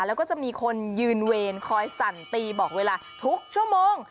แล้วก็จะมีคนยืนเวรคอยสั่นตีบอกเวลาทุกชั่วโมง